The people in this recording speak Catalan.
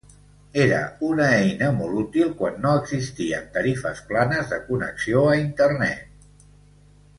Era una eina molt útil quan no existien tarifes planes de connexió a Internet.